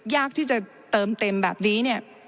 ยากที่จะเติมเต็มแบบนี้